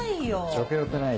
食欲ないし。